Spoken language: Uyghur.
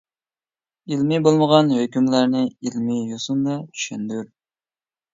ئىلمىي بولمىغان ھۆكۈملەرنى ئىلمىي يوسۇندا چۈشەندۈر.